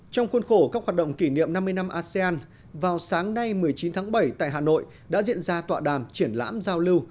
trong khuôn khổ các hoạt động kỷ niệm năm mươi năm asean vào sáng nay một mươi chín tháng bảy tại hà nội đã diễn ra tọa đàm triển lãm giao lưu